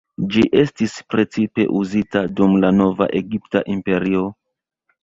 Ĝi estis precipe uzita dum la Nova Egipta Imperio.